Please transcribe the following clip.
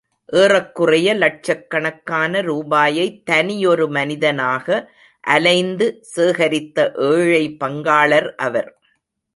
ஏறக்குறைய லட்சக் கணக்கான ரூபாயைத் தனியொரு மனிதனாக அலைந்து சேகரித்த ஏழை பங்காளர் அவர்.